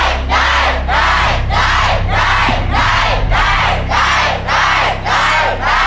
แม่กาหลงทำได้หรือไม่ได้ครับ